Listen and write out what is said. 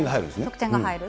得点が入る。